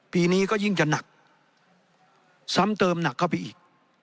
ปีนี้ก็ยิ่งจะหนักซ้ำเติมหนักเข้าไปอีก